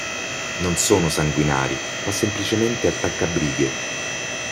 Non sono sanguinari ma semplicemente attaccabrighe.